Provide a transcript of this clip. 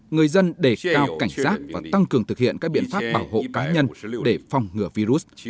người dân đề cao cảnh giác và tăng cường thực hiện các biện pháp bảo hộ cá nhân để phòng ngừa virus